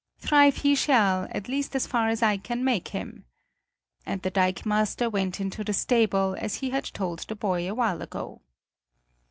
"Thrive he shall, at least as far as I can make him!" And the dikemaster went into the stable, as he had told the boy a while ago.